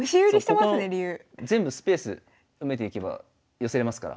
ここの全部スペース埋めていけば寄せれますから。